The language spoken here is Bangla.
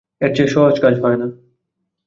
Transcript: এরচেয়ে সহজ কাজ হয় না।